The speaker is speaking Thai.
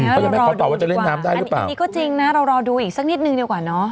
เขายังไม่ขอตอบว่าจะเล่นน้ำได้หรือเปล่าอันนี้ก็จริงนะเรารอดูอีกสักนิดนึงดีกว่าเนอะ